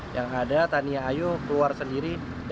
yang ada tania ayu keluar sendiri